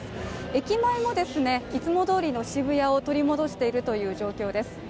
駅前もいつもどおりの渋谷を取り戻しているという状況です。